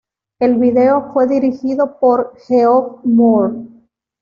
El video fue dirigido por Geoff Moore.